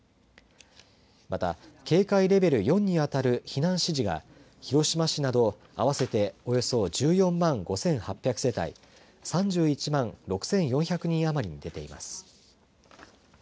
また、警戒レベル４にあたる避難指示が広島市など合わせておよそ１４万５８００世帯３１万６４００人余りに出ています。